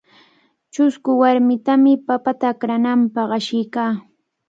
Chusku warmitami papata akrananpaq ashiykaa.